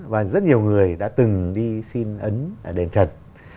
và rất nhiều người đã từng đi xin ấn ở đền trần